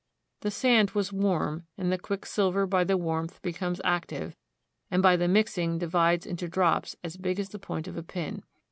The sand was warm, and the quicksilver by the warmth becomes active, and by the mixing divides into drops as big as the point of a pin.